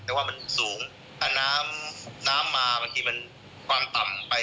แต่ว่ามันสูงถ้าน้ำน้ำมาบางทีมันความต่ำไป